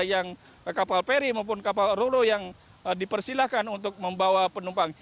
yang kapal peri maupun kapal rulu yang dipersilahkan untuk membawa penumpang